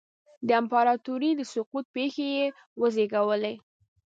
د امپراتورۍ د سقوط پېښې یې وزېږولې.